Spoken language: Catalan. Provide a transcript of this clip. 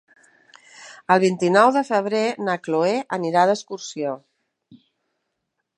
El vint-i-nou de febrer na Chloé anirà d'excursió.